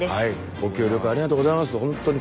ご協力ありがとうございますほんとに。